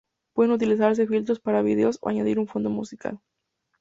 Pueden utilizarse filtros para vídeos o añadir un fondo musical.